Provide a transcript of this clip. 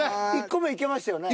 １個目いけましたよね。